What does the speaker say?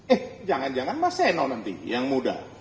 eh jangan jangan mas enol nanti yang muda